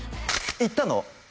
行ったの？